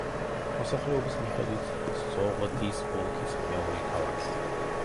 მოსახლეობის მიხედვით სოღდის ოლქის მეორე ქალაქია.